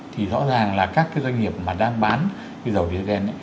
thì rõ ràng là các cái doanh nghiệp mà đang bán cái dầu gsm ấy